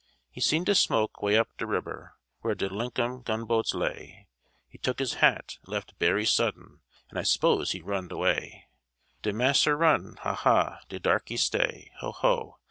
He seen de smoke way up de ribber Where de Linkum gunboats lay; He took his hat and left berry sudden, And I 'spose he runned away. De mass'r run, ha! ha! De darkey stay, ho! ho!